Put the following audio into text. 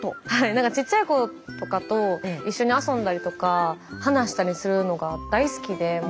何かちっちゃい子とかと一緒に遊んだりとか話したりするのが大好きでもともと。